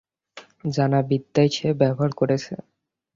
জানা বিদ্যাই সে ব্যবহার করেছে।